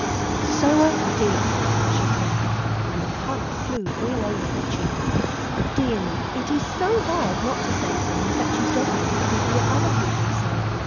"So I did," she cried, and the color flew over her cheek. "Dear me, it is so hard not to say things that you don't like to hear other people say."